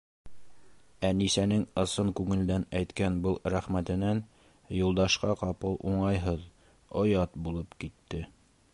Әнисәнең ысын күңелдән әйткән был рәхмәтенән Юлдашҡа ҡапыл уңайһыҙ, оят булып китте.